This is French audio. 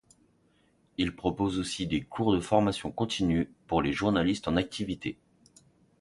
Il propose aussi des cours de formation continue pour les journalistes en activité.